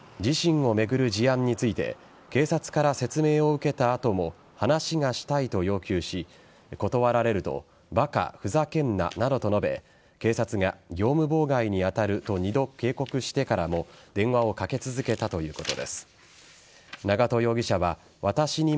警察によりますと長門容疑者は自身を巡る事案について警察から説明を受けた後も話がしたいと要求し断られるとバカ、ふざけんななどと述べ警察が業務妨害に当たると２度警告してからも電話をかけ続けたということです。